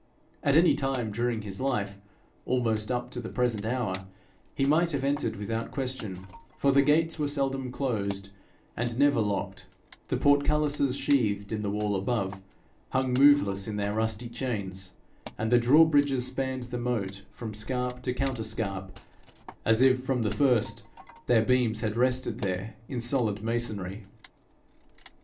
At any time during his life, almost up to the present hour, he might have entered without question, for the gates were seldom closed and never locked, the portcullises, sheathed in the wall above, hung moveless in their rusty chains, and the drawbridges spanned the moat from scarp to counterscarp, as if from the first their beams had rested there in solid masonry.